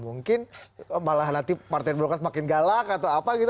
mungkin malah nanti partai demokrat makin galak atau apa gitu